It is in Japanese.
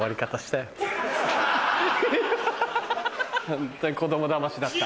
ホントに子供だましだった。